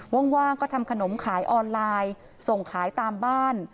ว่างก็ทำขนมขายออนไลน์ส่งขายตามบ้าน